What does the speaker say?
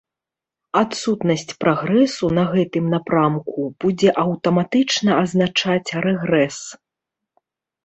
Адсутнасць прагрэсу на гэтым напрамку будзе аўтаматычна азначаць рэгрэс.